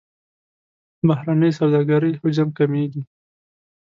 بهرنۍ سوداګرۍ حجم کمیږي.